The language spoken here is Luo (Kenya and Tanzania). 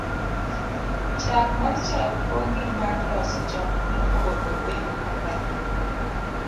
chak mar chae opog gi mar loso chak mopoto e yo maler